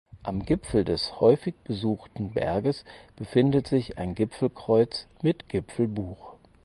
Am Gipfel des häufig besuchten Berges befindet sich ein Gipfelkreuz mit Gipfelbuch.